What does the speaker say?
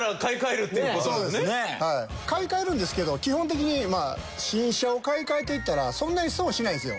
買い替えるんですけど基本的に新車を買い替えていったらそんなに損はしないんですよ